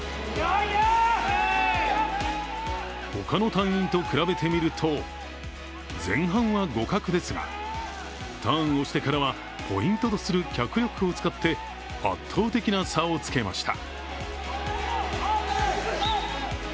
ほかの隊員と比べてみると、前半は互角ですが、ターンをしてからは、ポイントとする脚力を使って圧倒的な差をつけました。